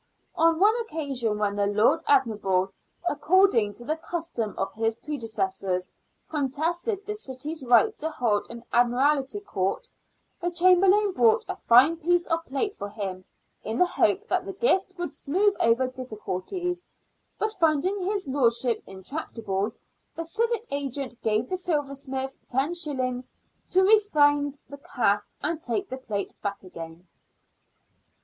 On one occasion, when the Lord Admiral, according to the custom of his predecessors, contested the city's right to hold an Ad miralty Court, the Chamberlain bought a fine piece of plate for him, in the hope that the gift would smooth over difficulties, but finding his lordship intractable, the civic agent gave the silversmith los. to refund the cast and take the plate back again.